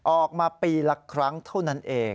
ออกมาปีละครั้งเท่านั้นเอง